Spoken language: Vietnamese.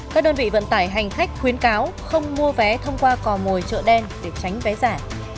các đơn vị vận tải hành khách khuyến cáo không mua vé thông qua cò mồi chợ đen để tránh vé giả